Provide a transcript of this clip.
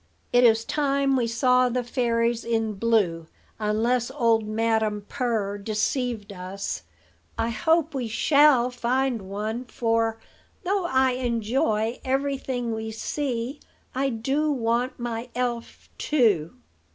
"It is time we saw the fairies in blue, unless old Madam Purr deceived us. I hope we shall find one; for, though I enjoy every thing we see, I do want my elf too."